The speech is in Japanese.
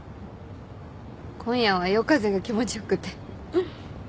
今夜は夜風が気持ち良くて。